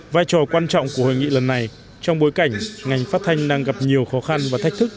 vai trò quan trọng của hội nghị lần này trong bối cảnh ngành phát thanh đang gặp nhiều khó khăn và thách thức